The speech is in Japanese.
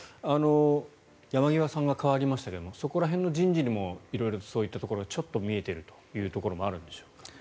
山際さんは代わりましたがそこら辺の人事にも色々そういったところが見えているというところがあるんですか？